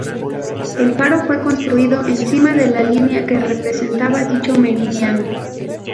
El faro fue construido encima de la línea que representaba dicho meridiano.